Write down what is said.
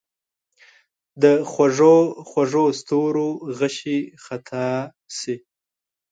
د خوږو، خوږو ستورو غشي خطا شي